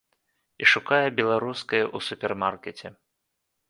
І шукае беларускае ў супермаркеце.